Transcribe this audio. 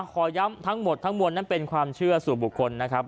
ขอย้ำทั้งหมดทั้งมวลนั้นเป็นความเชื่อสู่บุคคลนะครับ